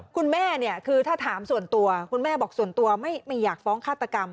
คุณแม่เนี่ยคือถ้าถามส่วนตัวคุณแม่บอกส่วนตัวไม่อยากฟ้องฆาตกรรม